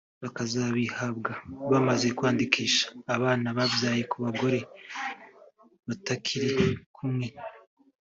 bakazabihabwa bamaze kwandikisha abana babyaye ku bagore batakiri kumwe